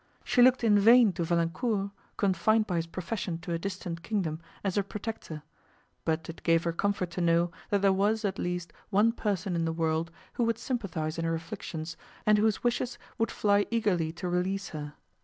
She looked in vain to Valancourt, confined by his profession to a distant kingdom, as her protector; but it gave her comfort to know, that there was, at least, one person in the world, who would sympathise in her afflictions, and whose wishes would fly eagerly to release her.